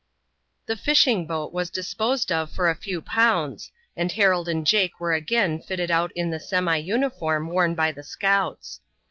The fishing boat was disposed of for a few pounds, and Harold and Jake were again fitted out in the semi uniform worn by the scouts.